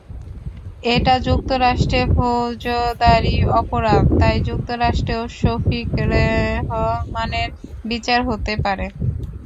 এটা যুক্তরাষ্ট্রে ফৌজদারি অপরাধ, তাই যুক্তরাষ্ট্রেও শফিক রেহমানের বিচার হতে পারে।